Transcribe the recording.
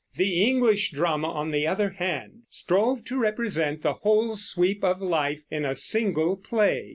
The English drama, on the other hand, strove to represent the whole sweep of life in a single play.